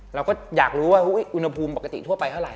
เราก็อยากรู้ว่าอุณหภูมิปกติทั่วไปเท่าไ